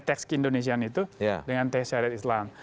teks keindonesian itu dengan teks syariat islam